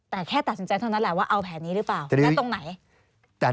แต่แค่ตัดสินใจเท่านั้นแหละว่าเอาแผนนี้หรือเปล่านั่นตรงไหน